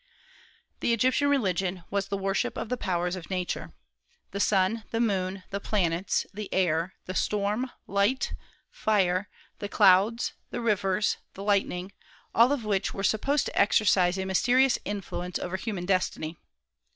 The Egyptian religion was the worship of the powers of Nature, the sun, the moon, the planets, the air, the storm, light, fire, the clouds, the rivers, the lightning, all of which were supposed to exercise a mysterious influence over human destiny.